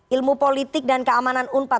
ilmu politik dan keamanan unpad